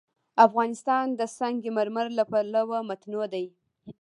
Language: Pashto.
افغانستان د سنگ مرمر له پلوه متنوع دی.